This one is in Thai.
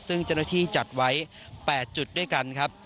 ซึ่งจำนวนที่จัดไว้๘จุดครับ